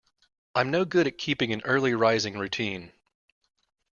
I'm no good at keeping an early rising routine.